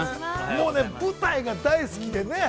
◆もう舞台が大好きでね。